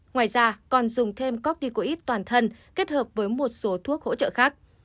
ngoài ra còn dùng thêm corticoid toàn thân kết hợp với một số thuốc hỗ trợ khác